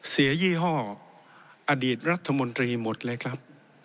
ยี่ห้ออดีตรัฐมนตรีหมดเลยครับ